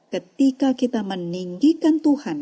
ketika kita meninggikan tuhan